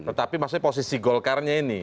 tetapi maksudnya posisi golkarnya ini